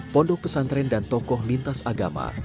pondok pesantren dan tokoh lintas agama